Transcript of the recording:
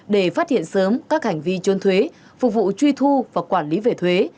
để phát hiện sớm các hành vi trôn thuế phục vụ truy thu và quản lý về thuế